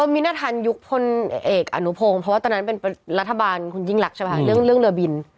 มินทันยุคพลเอกอนุพงศ์เพราะว่าตอนนั้นเป็นรัฐบาลคุณยิ่งรักใช่ไหมคะเรื่องเรือบิน